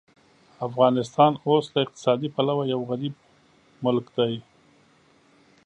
افغانستان اوس له اقتصادي پلوه یو غریب ملک دی.